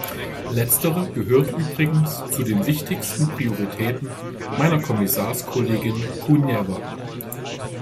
Letztere gehört übrigens zu den wichtigsten Prioritäten meiner Kommissarskollegin Kuneva.